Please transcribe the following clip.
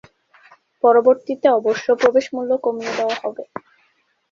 পরবর্তীতে অবশ্য প্রবেশ মূল্য কমিয়ে দেয়া হবে।